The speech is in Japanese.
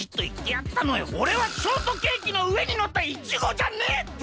おれはショートケーキのうえにのったイチゴじゃねえ！